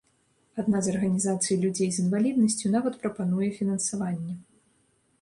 Адна з арганізацый людзей з інваліднасцю нават прапануе фінансаванне.